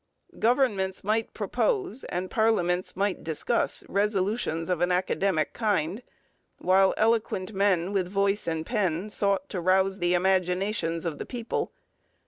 Governments might propose and parliaments might discuss resolutions of an academic kind, while eloquent men with voice and pen sought to rouse the imaginations of the people.